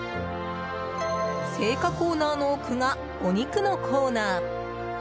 青果コーナーの奥がお肉のコーナー。